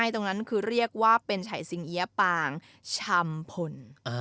ตรงนั้นคือเรียกว่าเป็นฉายสิงเอี๊ยะปางชำพล